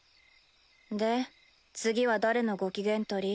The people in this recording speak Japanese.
で次は誰のご機嫌取り？